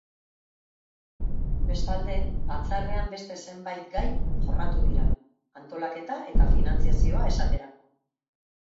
Bestalde, batzarrean beste zenbait gai jorratu dira, antolaketa eta finantzazioa esaterako.